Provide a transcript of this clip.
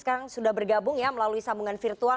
sekarang sudah bergabung ya melalui sambungan virtual